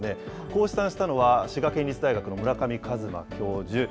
こう試算したのは、滋賀県立大学の村上一真教授。